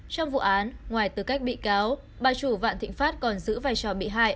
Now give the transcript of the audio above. trong vụ án ngoài tư cách bị cáo bà chủ vạn thịnh pháp còn giữ vai trò bị hại